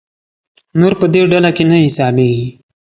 نور په دې ډله کې نه حسابېږي.